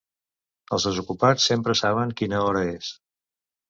Els desocupats sempre saben quina hora és.